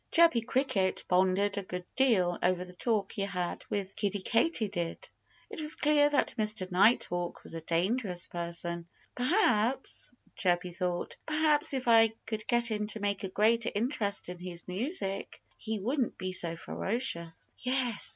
Chirpy Cricket pondered a good deal over the talk he had with Kiddie Katydid. It was clear that Mr. Nighthawk was a dangerous person. "Perhaps" Chirpy thought "perhaps if I could get him to take a greater interest in his music he wouldn't be so ferocious. Yes!